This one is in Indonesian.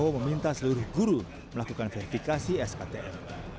jokowi meminta seluruh guru melakukan verifikasi sktm